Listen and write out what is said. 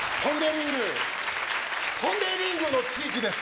ポンデリングの地域ですか？